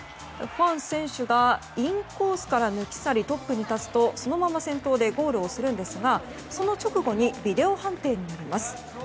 ファン選手がインコースから抜き去りトップに立つとそのまま先頭でゴールをするんですがその直後にビデオ判定になります。